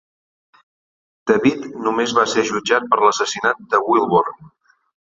David només va ser jutjat per l'assassinat de Wilborn.